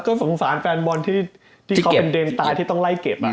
ก็สงสารแฟนบอลที่เขาเป็นเดนตายที่ต้องไล่เก็บ